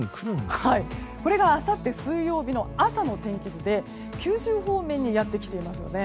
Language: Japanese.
これがあさって水曜日、朝の天気図で九州方面にやってきていますよね。